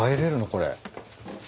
これ。